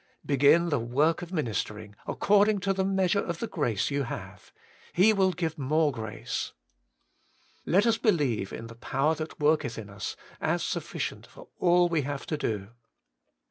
Begin * the work of ministering ' according to the meas ure of the grace you have. He will give more grace. Let us believe in the power that worketh in us as sufficient for all we have to do.